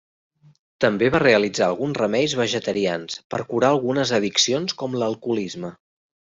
També va realitzar alguns remeis vegetarians per curar algunes addiccions com l'alcoholisme.